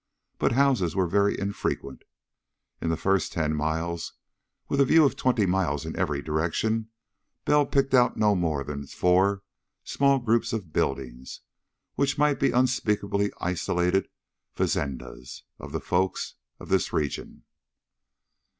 But houses were very infrequent. In the first ten miles with a view of twenty miles in every direction Bell picked out no more than four small groups of buildings which might be the unspeakably isolated fazendas of the folk of this region.